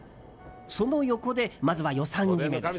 その横で、まずは予算決めです。